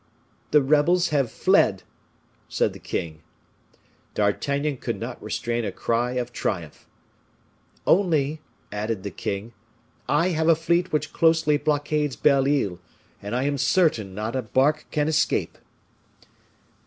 "The rebels have fled," said the king. D'Artagnan could not restrain a cry of triumph. "Only," added the king, "I have a fleet which closely blockades Belle Isle, and I am certain not a bark can escape."